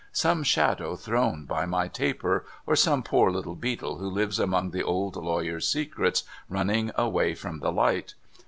Some shadow thrown by my taper ; or some poor little beetle, who lives among the old lawyer's secrets, running away from the light.